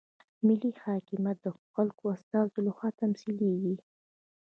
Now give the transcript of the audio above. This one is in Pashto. ملي حاکمیت د خلکو د استازو لخوا تمثیلیږي.